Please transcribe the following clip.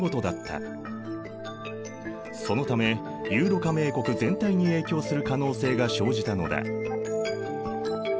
そのためユーロ加盟国全体に影響する可能性が生じたのだ。